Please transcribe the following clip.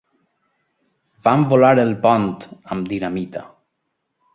Van volar el pont amb dinamita.